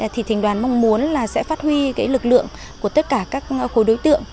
thì thành đoàn mong muốn là sẽ phát huy lực lượng của tất cả các khối đối tượng